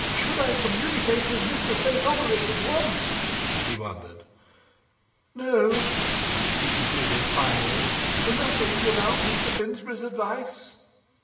Should I communicate with Mr Sernitopolis at once?' he wondered. 'No,' he concluded finally, 'nothing without Mr Finsbury's advice.